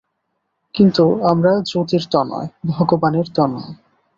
কিন্তু আমরা জ্যোতির তনয়, ভগবানের তনয়।